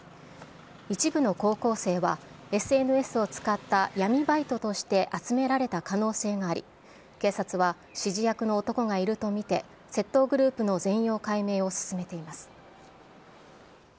一部の高校生は、ＳＮＳを使った闇バイトとして集められた可能性があり、警察は指示役の男がいると見て、窃盗グループの全容解明を進めています。